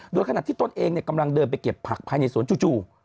โดยขณะที่ตนเองกำลังเดินไปเก็บผักภายในสวนจู่